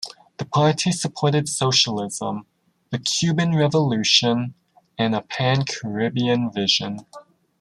The party supported socialism, the Cuban Revolution, and a pan-Caribbean vision.